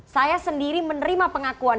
saya sendiri menerima pengakuan